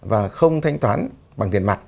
và không thanh toán bằng tiền mặt